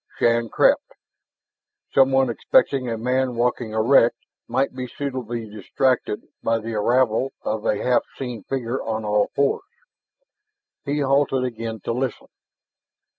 Shann crept. Someone expecting a man walking erect might be suitably distracted by the arrival of a half seen figure on all fours. He halted again to listen.